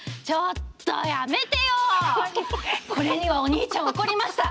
これにはお兄ちゃん怒りました。